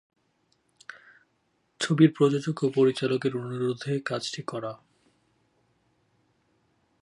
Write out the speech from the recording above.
ছবির প্রযোজক ও পরিচালকের অনুরোধে কাজটি করা।